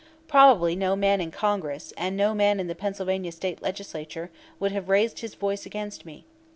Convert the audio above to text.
Probably no man in Congress, and no man in the Pennsylvania State Legislature, would have raised his voice against me.